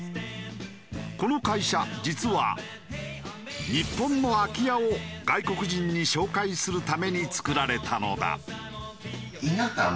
この会社実は日本の空き家を外国人に紹介するために作られたのだ。